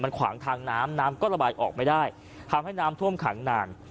ขวางทางน้ำน้ำก็ระบายออกไม่ได้ทำให้น้ำท่วมขังนาน